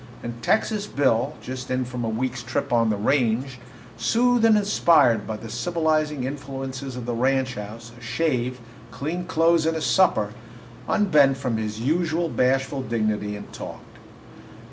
And Texas Bill, just in from a week's trip on the range, soothed and inspired by the civilizing influences of the ranch house, a shave, clean clothes, and his supper, unbent from his usual bashful dignity and talked.